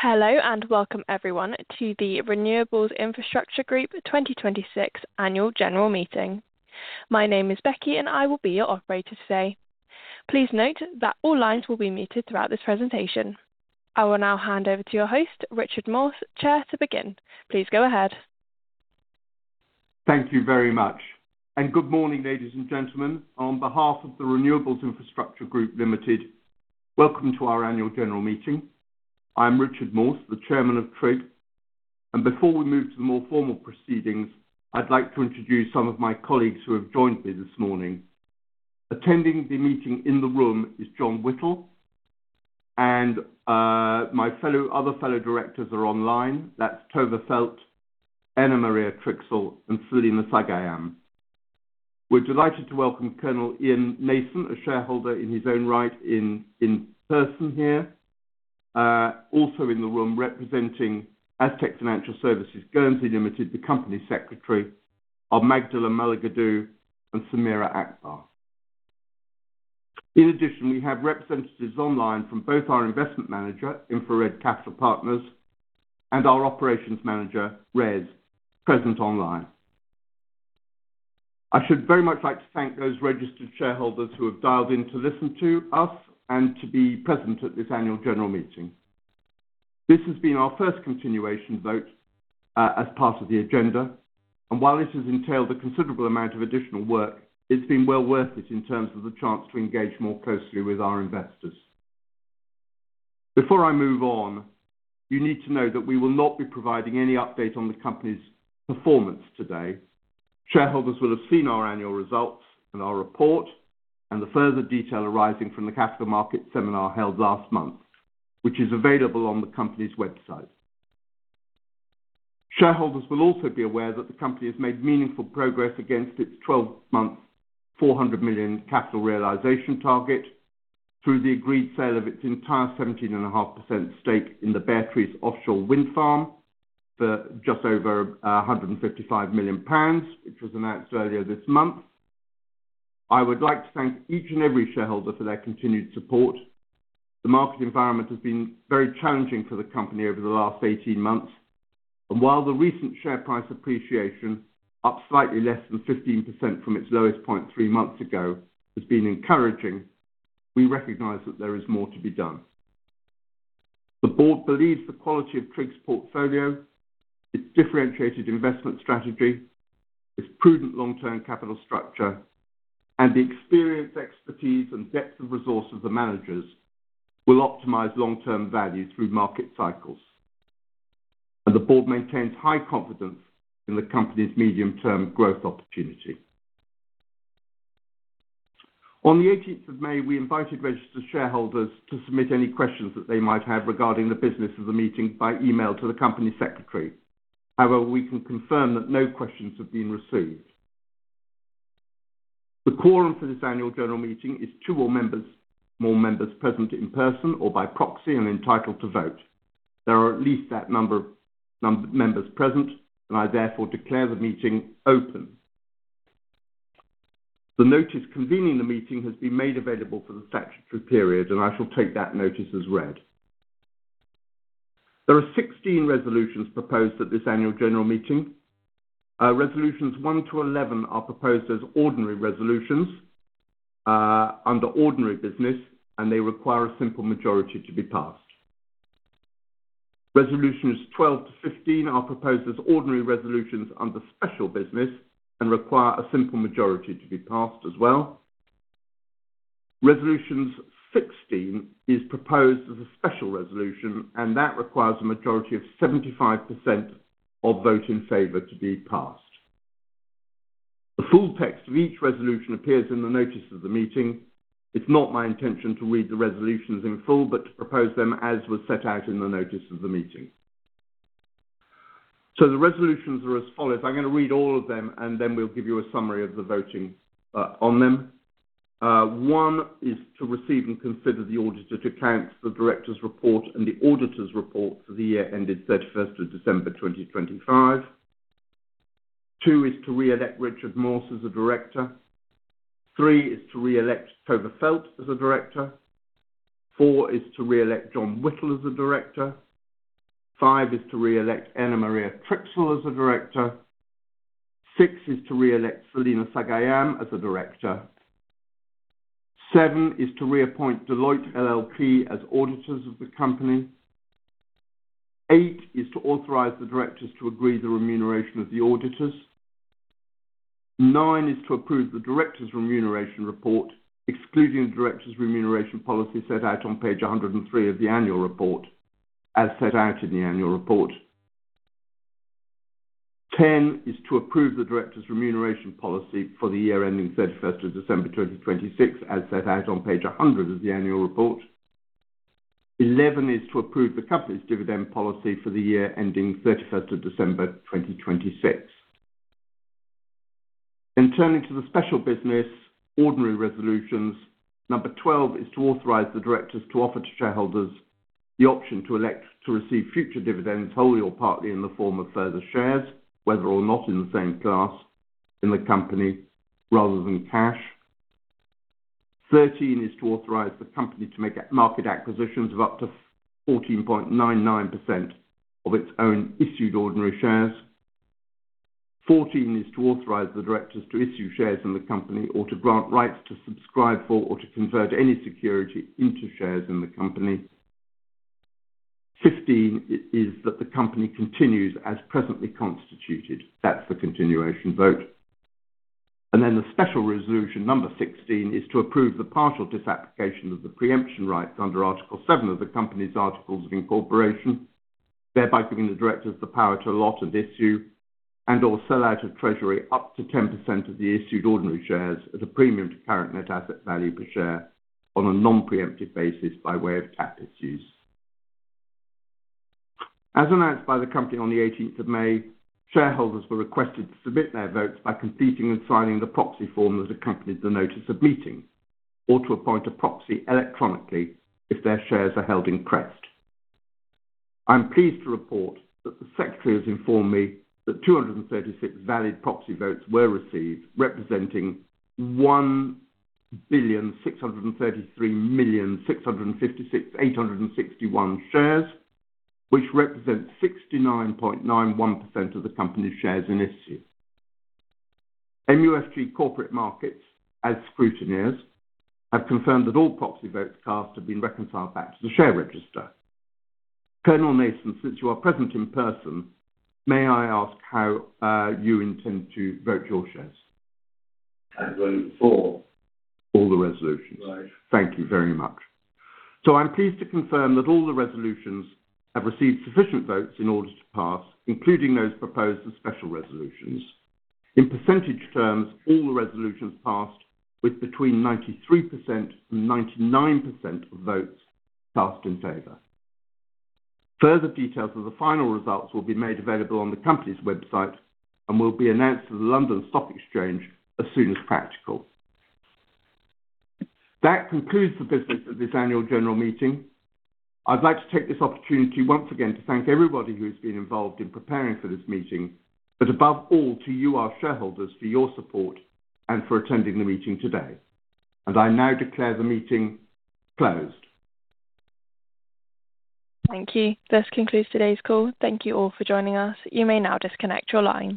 Hello, welcome everyone to The Renewables Infrastructure Group 2026 annual general meeting. My name is Becky, I will be your operator today. Please note that all lines will be muted throughout this presentation. I will now hand over to your host, Richard Morse, Chair, to begin. Please go ahead. Thank you very much. Good morning, ladies and gentlemen. On behalf of The Renewables Infrastructure Group Limited, welcome to our annual general meeting. I'm Richard Morse, the chairman of TRIG. Before we move to the more formal proceedings, I'd like to introduce some of my colleagues who have joined me this morning. Attending the meeting in the room is John Whittle, my other fellow directors are online. That's Tove Feld, Erna-Maria Trixl, and Selina Sagayam. We're delighted to welcome Colonel Ian Nathan, a shareholder in his own right, in person here. Also in the room representing Aztec Financial Services Guernsey Limited, the company secretary, are Magdala Maligadou and Samira Akbar. In addition, we have representatives online from both our investment manager, InfraRed Capital Partners, and our operations manager, RES, present online. I should very much like to thank those registered shareholders who have dialed in to listen to us to be present at this annual general meeting. This has been our first continuation vote as part of the agenda, while this has entailed a considerable amount of additional work, it's been well worth it in terms of the chance to engage more closely with our investors. Before I move on, you need to know that we will not be providing any update on the company's performance today. Shareholders will have seen our annual results and our report and the further detail arising from the capital market seminar held last month, which is available on the company's website. Shareholders will also be aware that the company has made meaningful progress against its 12-month, 400 million capital realization target through the agreed sale of its entire 17.5% stake in the Beatrice offshore wind farm for just over 155 million pounds, which was announced earlier this month. I would like to thank each and every shareholder for their continued support. The market environment has been very challenging for the company over the last 18 months, while the recent share price appreciation, up slightly less than 15% from its lowest point three months ago, has been encouraging, we recognize that there is more to be done. The board believes the quality of TRIG's portfolio, its differentiated investment strategy, its prudent long-term capital structure, and the experience, expertise, and depth of resource of the managers will optimize long-term value through market cycles. The board maintains high confidence in the company's medium-term growth opportunity. On the 18th of May, we invited registered shareholders to submit any questions that they might have regarding the business of the meeting by email to the company secretary. We can confirm that no questions have been received. The quorum for this annual general meeting is two or more members present in person or by proxy and entitled to vote. There are at least that number of members present, I therefore declare the meeting open. The notice convening the meeting has been made available for the statutory period, I shall take that notice as read. There are 16 resolutions proposed at this annual general meeting. Resolutions one to 11 are proposed as ordinary resolutions under ordinary business, and they require a simple majority to be passed. Resolutions 12 to 15 are proposed as ordinary resolutions under special business and require a simple majority to be passed as well. Resolution 16 is proposed as a special resolution, and that requires a majority of 75% of votes in favor to be passed. The full text of each resolution appears in the notice of the meeting. It's not my intention to read the resolutions in full, but to propose them as was set out in the notice of the meeting. The resolutions are as follows. I'm going to read all of them, and then we'll give you a summary of the voting on them. One is to receive and consider the audited accounts, the director's report and the auditor's report for the year ended 31st of December 2025. Two is to reelect Richard Morse as a director. Three is to reelect Tove Feld as a director. Four is to reelect John Whittle as a director. Five is to reelect Erna-Maria Trixl as a director. Six is to reelect Selina Sagayam as a director. Seven is to reappoint Deloitte LLP as auditors of the company. Eight is to authorize the directors to agree the remuneration of the auditors. Nine is to approve the directors' remuneration report, excluding the directors' remuneration policy set out on page 103 of the annual report, as set out in the annual report. Ten is to approve the directors' remuneration policy for the year ending 31st of December 2026, as set out on page 100 of the annual report. Eleven is to approve the company's dividend policy for the year ending 31st of December 2026. In turning to the special business ordinary resolutions, number 12 is to authorize the directors to offer to shareholders the option to elect to receive future dividends wholly or partly in the form of further shares, whether or not in the same class in the company rather than cash. Thirteen is to authorize the company to make market acquisitions of up to 14.99% of its own issued ordinary shares. Fourteen is to authorize the directors to issue shares in the company, or to grant rights to subscribe for or to convert any security into shares in the company. Fifteen is that the company continues as presently constituted. That's the continuation vote. The special resolution, number 16, is to approve the partial disapplication of the pre-emption rights under Article 7 of the company's articles of incorporation, thereby giving the directors the power to lot and issue and/or sell out of treasury up to 10% of the issued ordinary shares at a premium to current net asset value per share on a non-pre-emptive basis by way of tap issues. As announced by the company on the 18th of May, shareholders were requested to submit their votes by completing and signing the proxy form that accompanied the notice of meeting, or to appoint a proxy electronically if their shares are held in CREST. I'm pleased to report that the secretary has informed me that 236 valid proxy votes were received, representing 1,633,656,861 shares, which represents 69.91% of the company's shares in issue. MUFG Corporate Markets, as scrutineers, have confirmed that all proxy votes cast have been reconciled back to the share register. Colonel Nathan, since you are present in person, may I ask how you intend to vote your shares? I vote for. All the resolutions? Right. Thank you very much. I'm pleased to confirm that all the resolutions have received sufficient votes in order to pass, including those proposed as special resolutions. In percentage terms, all the resolutions passed with between 93% and 99% of votes cast in favor. Further details of the final results will be made available on the company's website and will be announced to the London Stock Exchange as soon as practical. That concludes the business of this annual general meeting. I'd like to take this opportunity once again to thank everybody who has been involved in preparing for this meeting, but above all, to you, our shareholders, for your support and for attending the meeting today. I now declare the meeting closed. Thank you. This concludes today's call. Thank you all for joining us. You may now disconnect your line.